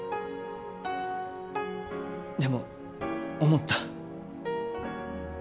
でも思った。